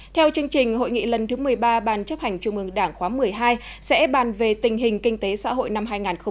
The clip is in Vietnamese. theo chương trình hội nghị lần thứ một mươi ba ban chấp hành trung ương đảng khóa một mươi hai sẽ bàn về tình hình kinh tế xã hội năm hai nghìn hai mươi